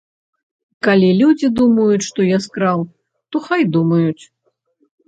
Калі людзі думаюць, што я скраў, то хай думаюць.